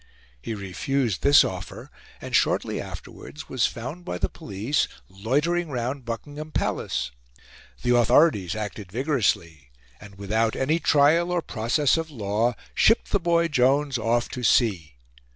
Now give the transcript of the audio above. He refused this offer, and shortly afterwards was found by the police loitering round Buckingham Palace. The authorities acted vigorously, and, without any trial or process of law, shipped the boy Jones off to sea.